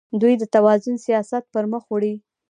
دوی د توازن سیاست پرمخ وړي.